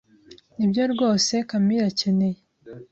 Nibyo rwose Kamili akeneye.